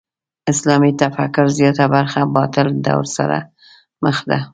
اسلامي تفکر زیاته برخه باطل دور سره مخ ده.